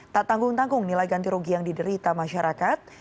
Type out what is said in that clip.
tak tanggung tanggung nilai ganti rugi yang diderita masyarakat